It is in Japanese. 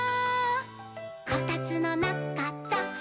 「こたつのなかだニャー」